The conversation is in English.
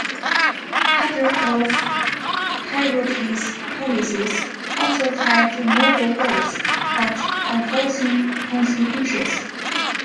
Other of Terauchi's policies also had noble goals but unforeseen consequences.